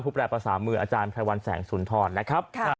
รูปแรกประสามืออาจารย์ไทยวันแสงสุนทรนะครับ